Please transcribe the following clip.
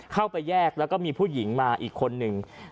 เข้าไปแยกแล้วก็มีผู้หญิงมาอีกคนนึง